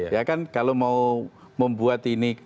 ya kan kalau mau membuat ini